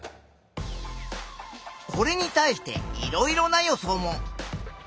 これに対していろいろな予想も。